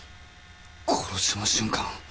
殺しの瞬間？